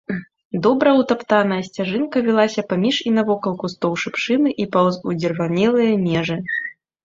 Добра ўтаптаная сцяжынка вілася паміж і навокал кустоў шыпшыны і паўз удзірванелыя межы.